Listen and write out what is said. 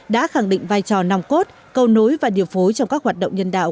đã khẳng định vai trò nòng cốt cầu nối và điều phối trong các hoạt động nhân đạo